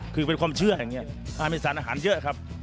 คือเป็นความเชื่ออย่างนี้มีสารอาหารเยอะครับ